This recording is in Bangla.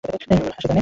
আমার মনে হয় সে জানে।